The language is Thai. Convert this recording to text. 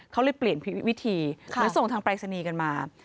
เขาเลยเปลี่ยนวิธีหรือส่งทางปรายศนีย์กันมา